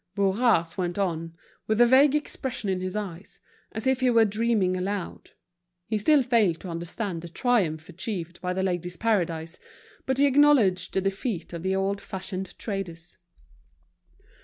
Bourras went on, with a vague expression in his eyes, as if he were dreaming aloud. He still failed to understand the triumph achieved by The Ladies' Paradise, but he acknowledged the defeat of the old fashioned traders.